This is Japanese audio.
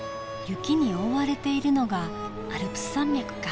雪に覆われているのがアルプス山脈か。